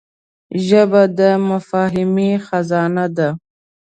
ژبه د مفاهمې خزانه ده